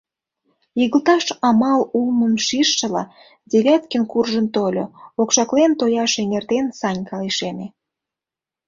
Игылташ амал улмым шижшыла, Девяткин куржын тольо, окшаклен тояш эҥертен, Санька лишеме.